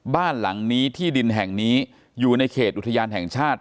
บ้านหลังนี้ที่ดินแห่งนี้อยู่ในเขตอุทยานแห่งชาติ